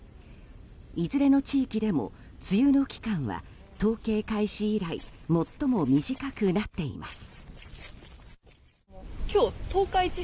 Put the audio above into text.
いずれも地域でも梅雨の期間は統計開始以来最も短くなっています。